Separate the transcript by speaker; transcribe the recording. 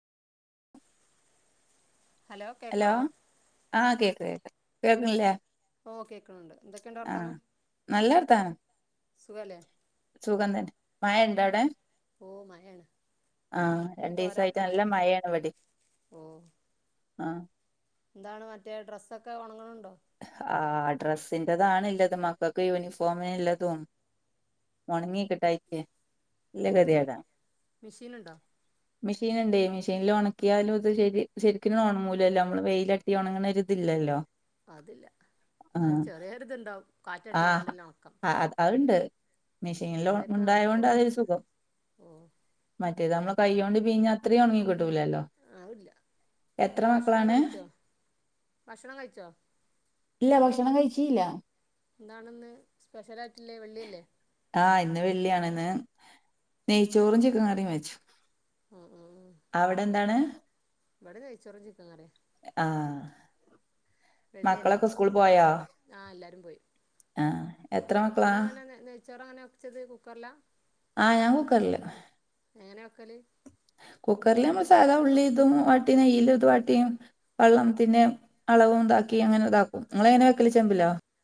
Speaker 1: Hello ആഹ കേക്ക് കേക്ക് കേൾക്ക്ല്ലേ
Speaker 2: ഓ കേൾക്ക്ണണ്ട് എന്തൊക്കെയുണ്ട് വർത്താനം
Speaker 1: നല്ല വർത്താനം
Speaker 2: സുഖല്ലേ
Speaker 1: സുഖം തന്നെ മയണ്ടോ അടെ
Speaker 2: ഉം ഓ മയെണ്
Speaker 1: ആഹ രണ്ടീസായിട്ട് നല്ല മഴയാണ് ഇവടിം
Speaker 2: ഓ
Speaker 1: ആഹ
Speaker 2: എന്താണ് മറ്റേ ഡ്രസ്സൊക്കെ ഒണങ്ങ്ണ് ണ്ടോ
Speaker 1: ആ ഡ്രസ്സിന്റേതാണ് ഇല്ലത് മക്കൾക്ക് യൂണിഫോമിനില്ലതും ഒണങ്ങി കിട്ടായിട്ടെ നല്ല
Speaker 2: ഓ
Speaker 1: കേതിയടാ
Speaker 2: മെഷീനുണ്ടോ
Speaker 1: മെഷീൻ ഇണ്ടേ മെഷീനിൽ ഒണക്കിയാലും ഇത് ശരി ശരിക്കും ഒണങ്ങൂലല്ലോ നമ്മള് വെയിലട്ടി ഒണങ്ങ്ണ ഒരു ഇതില്ലല്ലോ
Speaker 2: അതില്ല ഇന്നാലും ചെറിയോരിതുണ്ടാവും
Speaker 1: ആഹ്
Speaker 2: കാറ്റട്ടികാണ്ട്ല്ലെ ഒണക്കം
Speaker 1: അത് അതുണ്ട്
Speaker 2: ഉം
Speaker 1: മെഷീനിൽ
Speaker 2: അതേപ്പം
Speaker 1: ഉണ്ടായോണ്ട്
Speaker 2: നടക്കുള്ളൂ ഓ
Speaker 1: മറ്റേ നമ്മള് കൈകോണ്ട് പീഞ്ഞ അത്രീം ഒണങ്ങി കിട്ടൂലല്ലോ
Speaker 2: അത്ല്ലാ
Speaker 1: എത്ര
Speaker 2: എന്താ ഭക്ഷണം
Speaker 1: മക്കളാണ്?
Speaker 2: കഴിച്ചോ ഭക്ഷണം കഴിച്ചോ?
Speaker 1: ഇല്ല ഭക്ഷണം കഴിച്ചീല്ല
Speaker 2: എന്താണെന്ന് സ്പെഷ്യലആയിട്ടില്ലേ വെള്ളിയല്ലേ?
Speaker 1: ആഹ് ഇന്ന് വെള്ളിയാണ് ഇന്ന് നെയ്ച്ചോറും ചിക്കൻ കറിയും വെച്ചു
Speaker 2: ആ
Speaker 1: അവടെ ന്താണ്?
Speaker 2: വിടെ നെയ് ചോറും ചിക്കൻ കറിമ്
Speaker 1: ആഹ്
Speaker 2: വെള്ളിയല്ലേ
Speaker 1: മക്കളൊക്കെ സ്കൂൾ പോയോ
Speaker 2: ആഹ് എല്ലാരും പോയി
Speaker 1: ആഹ് എത്ര മക്കളാ
Speaker 2: ഇങ്ങളെങ്ങനെ നെയ്ച്ചോറെങ്ങനെ വെച്ചത് കുക്കറിലാ?
Speaker 1: ആഹ് ഞാൻ കുക്കറില്
Speaker 2: എങ്ങനെ വെക്കല്?
Speaker 1: കുക്കറിലമ്മ സാദ ഉള്ളി ഇതും വാട്ടി നെയയില ഇതും വാട്ടി വെള്ളംത്തിന്റെെ അളവും താക്കി അങ്ങനെ താക്കും ഇങ്ങളെങ്ങനെ വെക്കൽ ചെമ്പിലോ?